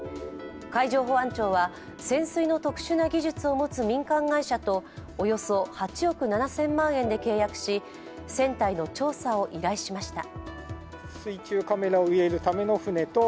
海上保安庁は潜水の特殊な技術を持つ民間会社とおよそ８億７０００万円で契約し、船体の調査を依頼しました。